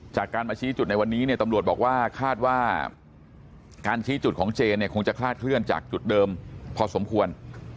จากการมาชี้จุดในวันนี้เนี่ยตำรวจบอกว่าคาดว่าการชี้จุดของเจนเนี่ยคงจะคลาดเคลื่อนจากจุดเดิมพอสมควร